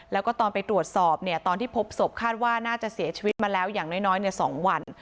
แล้วก็ตอนไปตรวจสอบเนี่ยตอนที่พบศพคาดว่าน่าจะเสียชีวิตมาแล้วอย่างน้อย๒วัน